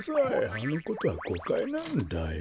あのことはごかいなんだよ。